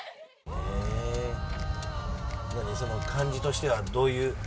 感じとしてはどういう。